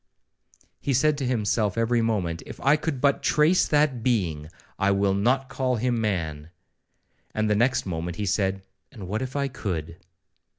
He said to himself every moment, 'If I could but trace that being, I will not call him man,'—and the next moment he said, 'and what if I could?'